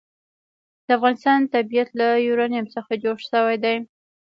د افغانستان طبیعت له یورانیم څخه جوړ شوی دی.